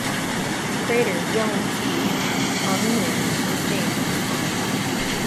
The crater Zelinskiy on the Moon is named in his honor.